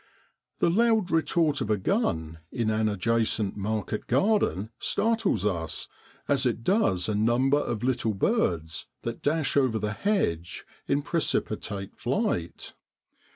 The loud report of a gun in an adjacent market garden startles us, as it does a number of little birds that dash over the hedge in precipitate flight.